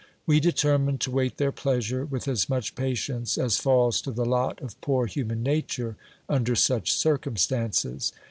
We determined to wait their pleasure with as much patience as falls to the lot of poor human nature under such circumstances.